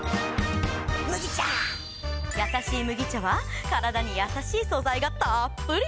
やさしい麦茶はカラダにやさしい素材がたっぷり！